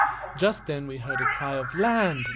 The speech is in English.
Just then we heard a cry of "Land!